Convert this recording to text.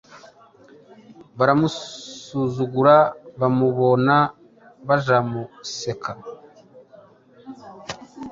baramusuzugura bamubona bajamuseka ,